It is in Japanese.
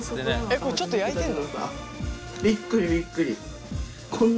これちょっと焼いてんの？